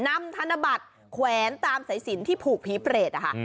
ธนบัตรแขวนตามสายสินที่ผูกผีเปรตนะคะ